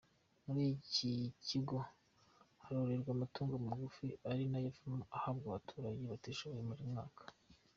Muri iki kigo hororerwa amatungo magufi ari nayo avamo ahabwa abaturage batishoboye buri mwaka.